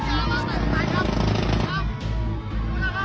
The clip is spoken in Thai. โปรดติดตามต่อไป